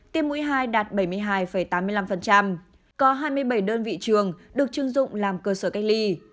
tiêm mũi hai đạt bảy mươi hai tám mươi năm có hai mươi bảy đơn vị trường được chưng dụng làm cơ sở cách ly